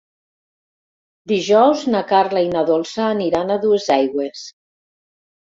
Dijous na Carla i na Dolça aniran a Duesaigües.